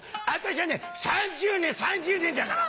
「私はね３０年３０年だから！